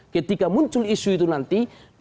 ketika muncul isu itu nanti